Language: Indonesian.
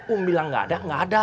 um bilang gak ada gak ada